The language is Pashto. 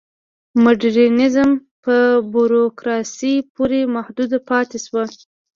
مډرنیزم په بوروکراسۍ پورې محدود پاتې شو.